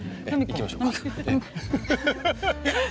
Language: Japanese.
行きましょうか。